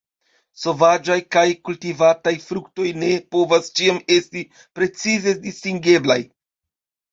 Sovaĝaj kaj kultivataj fruktoj ne povas ĉiam esti precize distingeblaj.